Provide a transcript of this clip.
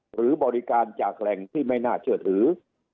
หรือบริการจากแหล่งที่ไม่น่าเชื่อถือ